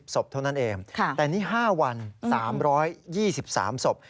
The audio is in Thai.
ศพเท่านั้นเองแต่นี่๕วัน๓๒๓ศพ